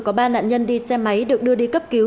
có ba nạn nhân đi xe máy được đưa đi cấp cứu